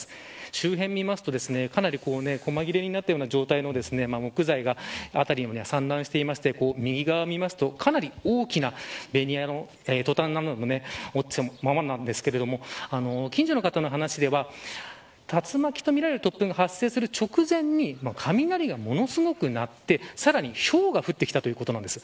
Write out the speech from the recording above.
周辺を見るとかなり細切れになっている状態の木材が辺りにも散乱していて右側を見るとかなり大きなベニヤのとたんなども落ちたままなんですが近所の方の話では竜巻とみられる突風が発生する直前に雷がものすごく鳴ってさらに、ひょうが降ってきたということなんです。